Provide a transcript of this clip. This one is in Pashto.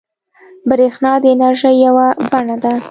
برېښنا د انرژۍ یوه بڼه ده.